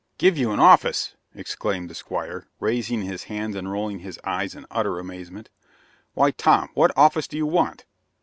"Give you an office!" exclaimed the "Squire," raising his hands and rolling his eyes in utter amazement; "why, Tom, what office do you want?"